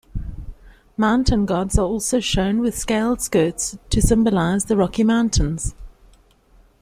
Mountain gods are also shown with scaled skirts to symbolise the rocky mountains.